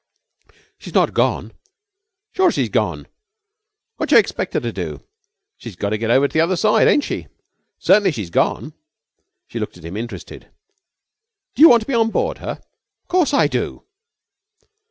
"She's not gone?" "Sure she's gone. Wotcha expect her to do? She's gotta to get over to the other side, ain't she? Cert'nly she's gone." She looked at him interested. "Do you want to be on board her?" "Of course I do."